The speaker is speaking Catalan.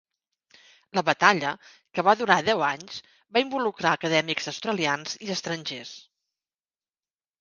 La batalla, que va durar deu anys, va involucrar acadèmics australians i estrangers.